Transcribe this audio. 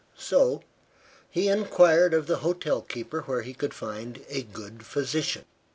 So he inquired of the hotel keeper where he could find a good physician.